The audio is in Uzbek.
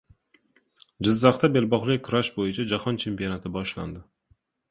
Jizzaxda belbog‘li kurash bo‘yicha Jahon chempionati boshlandi